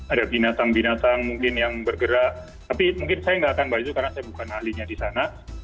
ada binatang binatang mungkin yang bergerak tapi mungkin saya nggak akan baju karena saya bukan ahlinya di sana